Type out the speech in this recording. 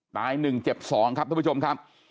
นายหนึ่งเจ็บสองครับทุกผู้ชมครับ